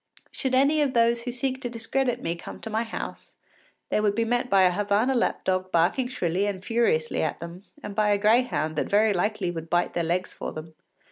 Should any of those who seek to discredit me come to my house, they would be met by a Havana lap dog barking shrilly and furiously at them, and by a greyhound that very likely would bite their legs for them.